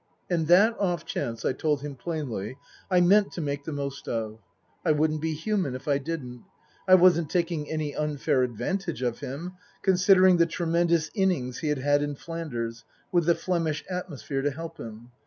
And that off chance, I told him plainly, I meant to make the most of. I wouldn't be human if I didn't. I wasn't taking any unfair advantage of him, considering the tremendous innings he had had in Flanders, with the Flemish atmosphere to help him.